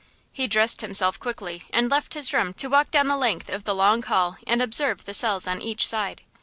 He dressed himself quickly and left his room to walk down the length of the long hall and observe the cells on each side.